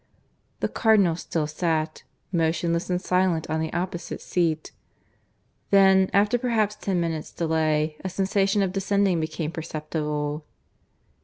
The Cardinal still sat, motionless and silent, on the opposite seat. Then, after perhaps ten minutes' delay, a sensation of descending became perceptible.